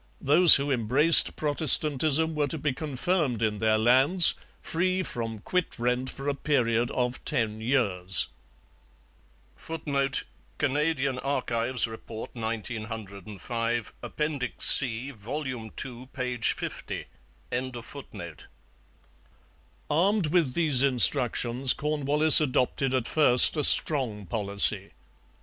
Those who embraced Protestantism were to be confirmed in their lands, free from quit rent for a period of ten years. [Footnote: Canadian Archives Report, 1905, Appendix C, vol. ii, p. 50.] Armed with these instructions, Cornwallis adopted at first a strong policy.